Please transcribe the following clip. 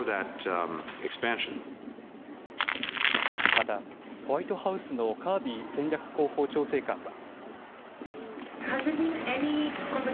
またホワイトハウスのカービー戦略広報調整官は。